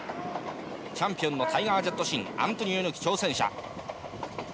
チャンピオンのタイガー・ジェットシンアントニオ猪木、挑戦者。